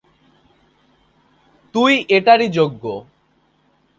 তুই এটারই যোগ্য।